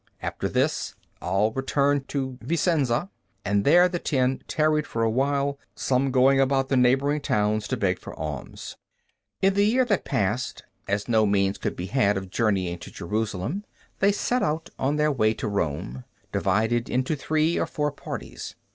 After this, all returned to Vicenza, and there the ten tarried for a while, some going about the neighboring towns to beg for alms. In the year that passed, as no means could be had of journeying to Jerusalem, they set out on their way to Rome, divided into three or four parties.